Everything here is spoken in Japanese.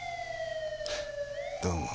どうも。